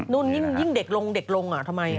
นู่นยิ่งเด็กลงทำไม